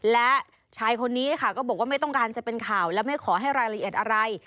และชายคนนี้ค่ะก็บอกว่าไม่ต้องการจะเป็นข่าวและไม่ขอให้รายละเอียดอะไร